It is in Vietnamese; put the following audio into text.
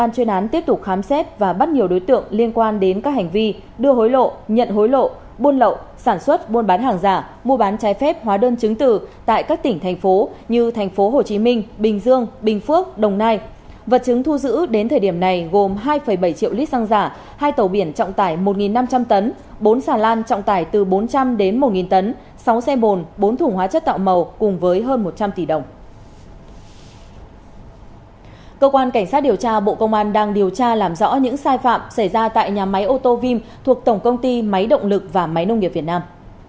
cơ quan cảnh sát điều tra bộ công an đang điều tra làm rõ những sai phạm xảy ra tại nhà máy ô tô vim thuộc tổng công ty máy động lực và máy nông nghiệp việt nam